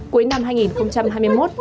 cuối năm hai nghìn hai mươi một